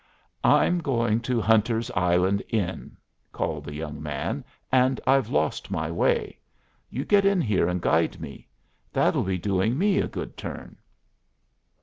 "I'm going to Hunter's Island Inn," called the young man, "and I've lost my way. You get in here and guide me. That'll be doing me a good turn."